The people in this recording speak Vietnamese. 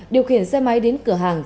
điều khiển xe máy đến cửa hàng